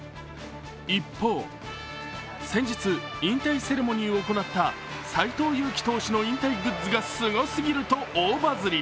一方、先日、引退セレモニーを行った斎藤佑樹投手の引退グッズがすごすぎると大バズり。